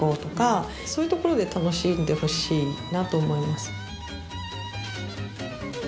そういうところで楽しんでほしいなと思います。